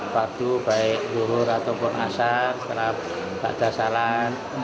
waduh baik gurur ataupun asal setelah baca shalan